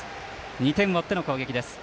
２点を追っての攻撃。